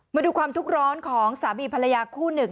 มาดูความทุกข์ร้อนของสามีภรรยาคู่หนึ่ง